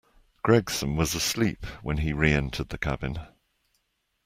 Gregson was asleep when he re-entered the cabin.